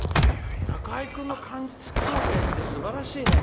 中居君の感性ってすばらしいね。